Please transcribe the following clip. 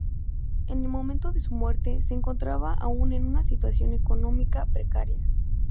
En el momento de su muerte se encontraba aún en una situación económica precaria.